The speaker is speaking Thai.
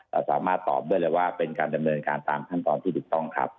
สามารถตอบได้เลยว่าเป็นการดำเนินการตามขั้นตอนที่ถูกต้องครับ